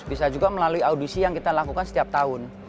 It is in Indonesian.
bisa juga melalui audisi yang kita lakukan setiap tahun